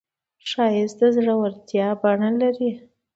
ښایست د زړورتیا بڼه لري